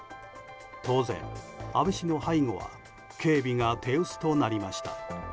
当然、安倍氏の背後は警備が手薄となりました。